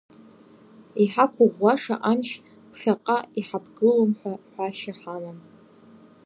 Иҳақәыӷәӷәаша амч ԥхьаҟа иҳаԥгылом ҳәа ҳәашьа ҳамам.